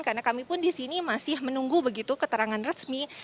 karena kami pun di sini masih menunggu keterangan resmi